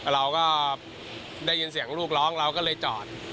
เราก็ได้ยินเสียงลูกร้องเราก็เลยจอด